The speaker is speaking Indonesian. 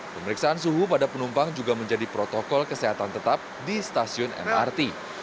pemeriksaan suhu pada penumpang juga menjadi protokol kesehatan tetap di stasiun mrt